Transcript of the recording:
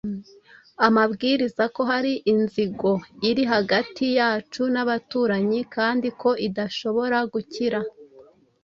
ambwira ko hari inzigo iri hagati yacu n’abaturanyi kandi ko idashobora gukira.